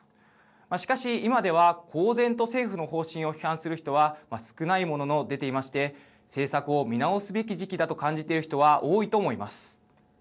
しかし、今では公然と政府の方針を批判する人は少ないものの出ていまして政策を見直すべき時期だと感じている人は多いと思います。